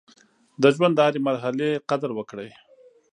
د ژوند د هرې مرحلې قدر وکړئ.